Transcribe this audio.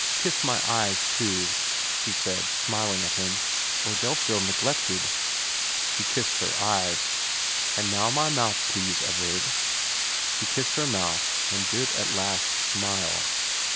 * Kiss my eyes too,' she said, smiling at him, ' or they'll feel neglected.' He kissed her eyes. ' And now my mouth, please, Everard.' 248 VERA XXII He kissed her mouth, and did at last smile.